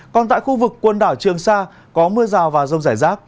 còn tại khu vực quần đảo trường sa có mưa rào và rông rải rác